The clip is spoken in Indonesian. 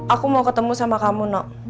aku mau ketemu sama kamu nak